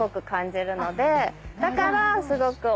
だからすごく。